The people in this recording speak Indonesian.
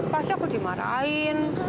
pasti aku dimarahin